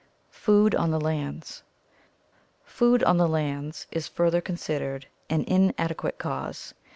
Food on the Lands. — Food on the lands is further considered an inadequate cause.